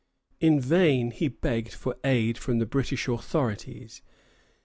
In vain he begged for aid from the British authorities.